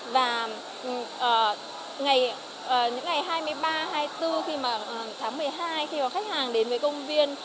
và những ngày hai mươi ba hai mươi bốn khi mà tháng một mươi hai khi khách hàng đến với công viên